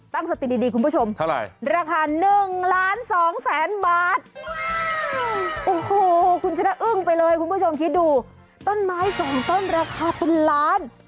ตั้งสติดีคุณผู้ชมราคา๑ล้าน๒แสนบาทคุณผู้ชมคิดดูต้นไม้๒ต้นราคาเป็นล้าน